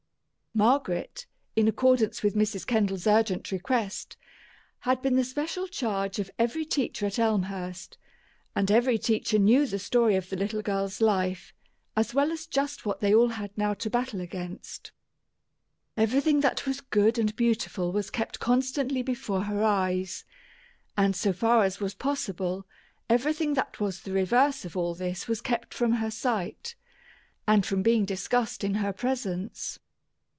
Margaret, in accordance with Mrs. Kendall's urgent request, had been the special charge of every teacher at Elmhurst; and every teacher knew the story of the little girl's life, as well as just what they all had now to battle against. Everything that was good and beautiful was kept constantly before her eyes, and so far as was possible, everything that was the reverse of all this was kept from her sight, and from being discussed in her presence.